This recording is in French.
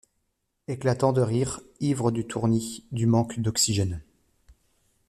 Éclatant de rire, ivre du tournis, du manque d’oxygène.